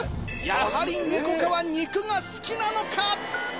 やはりネコ科は肉が好きなのか？